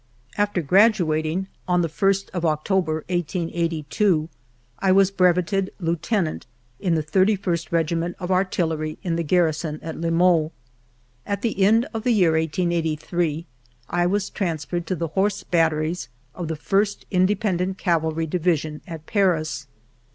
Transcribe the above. After graduating, on the 1st of October, 1882, I was breveted lieuten ant in the Thirty first Regiment of Artillery in the garrison at Le Mans. At the end of the year 1883, I was transferred to the Horse Bat teries of the First Independent Cavalry Division, at Paris.